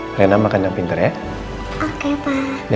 drenam gak mau dibantuin